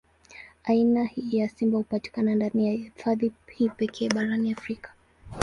Aina hii ya simba hupatikana ndani ya hifadhi hii pekee barani Afrika.